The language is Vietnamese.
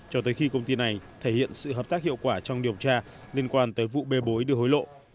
cho tới khi công ty này thể hiện sự hợp tác hiệu quả trong điều tra liên quan tới vụ bê bối đưa hối lộ